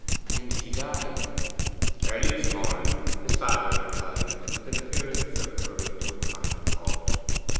'When did she die?' 'Early this morning,' his father replied, with an appearance of recurring to a chronic thought.